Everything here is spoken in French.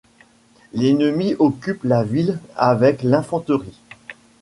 L'ennemi occupe la ville avec l'infanterie.